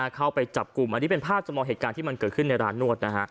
เข้าไปจับกลุ่มอันนี้เป็นภาพจำลองเหตุการณ์ที่มันเกิดขึ้นในร้านนวด